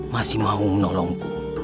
masih mau menolongku